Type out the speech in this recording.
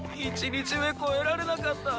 １日目越えられなかった。